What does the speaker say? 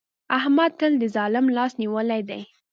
احمد تل د ظالم لاس نيولی دی.